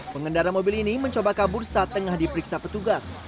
pengendara mobil ini mencoba kabur saat tengah diperiksa petugas